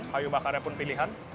kayu bakarnya pun pilihan